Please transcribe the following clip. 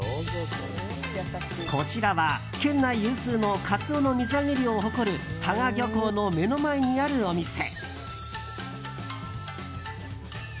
こちらは県内有数のカツオの水揚げ量を誇る佐賀漁港の目の前にあるお店。